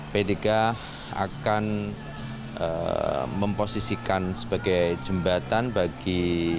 pdk akan memposisikan sebagai jembatan bagi